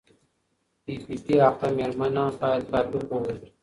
پی پي پي اخته مېرمنې باید کافي خوب وکړي.